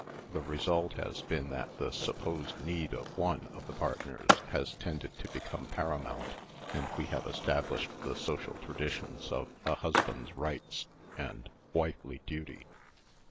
The result has been that the supposed need of one of the partners has tended to become paramount, and we have estab lished the social traditions of a husband's " rights " and wifely " duty."